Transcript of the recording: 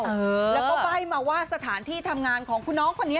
แล้วก็ใบ้มาว่าสถานที่ทำงานของคุณน้องคนนี้